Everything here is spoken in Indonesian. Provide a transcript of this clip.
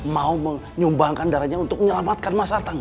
mau menyumbangkan darahnya untuk menyelamatkan mas artang